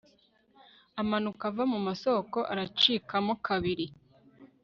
amanuka ava mu masoko aracikamo kabiri